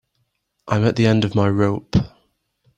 I'm at the end of my rope.